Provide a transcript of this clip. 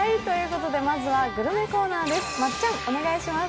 まずはグルメコーナーです。